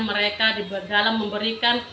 mereka dalam memberikan